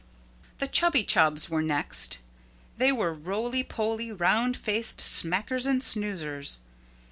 The Chubby Chubs were next. They were roly poly, round faced smackers and snoozers.